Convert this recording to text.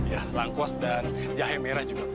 ya berangkuas dan jahe merah juga pak